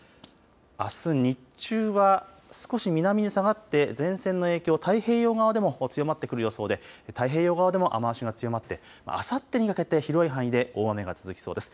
あす日中は少し南に下がって前線の影響、太平洋側でも強まってくる予想で太平洋側でも雨足が強まってあさってにかけて広い範囲で大雨が続きそうです。